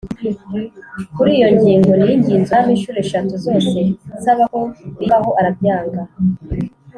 Kuri iyo ngingo ninginze Umwami incuro eshatu zose nsaba ko rimvamo arabyanga